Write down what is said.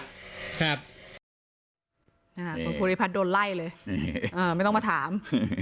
ผุฉีนถั่วโหรภูริพัทรโดนไล่เลยไม่ต้องมาถาม